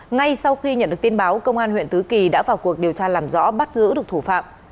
ngay sau khi nhận được tin báo công an huyện tứ kỳ đã vào cuộc điều tra làm rõ bắt giữ được thủ phạm